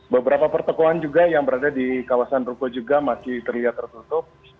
beberapa pertekuan juga yang berada di kawasan ruko juga masih terlihat tertutup